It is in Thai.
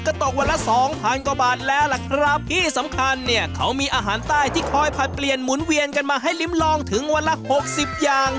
ก็ตกวันละสองพันกว่าบาทแล้วล่ะครับที่สำคัญเนี่ยเขามีอาหารใต้ที่คอยผลัดเปลี่ยนหมุนเวียนกันมาให้ลิ้มลองถึงวันละหกสิบอย่าง